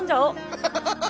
ハハハハハ！